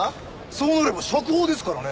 そうなれば釈放ですからね。